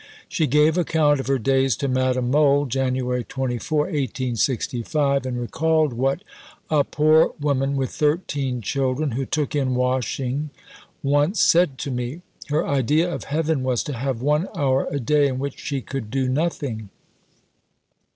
She gave account of her days to Madame Mohl (Jan. 24, 1865), and recalled what "a poor woman with 13 children, who took in washing, once said to me her idea of heaven was to have one hour a day in which she could do nothing."